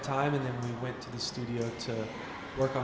tapi itu sesuatu yang